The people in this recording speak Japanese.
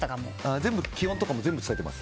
全部気温とかも全部伝えています。